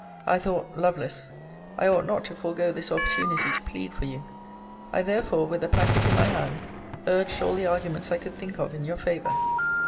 I thought, Lovelace, I ought not to forego this opportunity to plead for you: I therefore, with the packet in my hand, urged all the arguments I could think of in your favour.